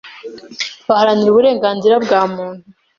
baharanira uburenganzira bwa muntu,